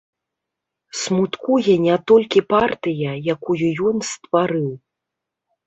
Смуткуе не толькі партыя, якую ён стварыў.